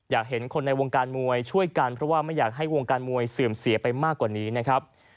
อยากเห็นคนในวงการมวยช่วยกันเพราะว่าไม่อยากให้วงการมวยเสื่อมเสียไปมากกว่านี้นะครับ